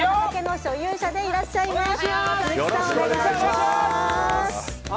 こちらの畑の所有者でいらっしゃいます。